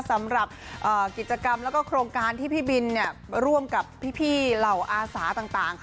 สำหรับกิจกรรมแล้วก็โครงการที่พี่บินร่วมกับพี่เหล่าอาสาต่าง